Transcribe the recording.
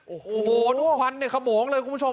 โอ้โหทุกพันธุ์เนี่ยขบงเลยคุณผู้ชม